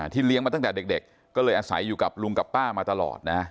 เลี้ยงมาตั้งแต่เด็กก็เลยอาศัยอยู่กับลุงกับป้ามาตลอดนะ